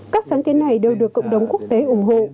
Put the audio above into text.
các sáng kiến này đều được cộng đồng quốc tế ủng hộ